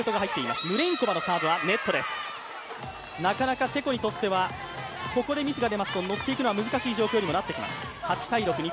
なかなかチェコにとっては、ここでミスが出ますと乗っていくのは難しい状況にもなっていきます。